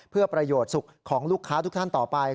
เพื่อประโยชน์สุขของลูกค้าทุกท่านต่อไป